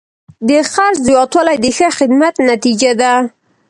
د خرڅ زیاتوالی د ښه خدمت نتیجه ده.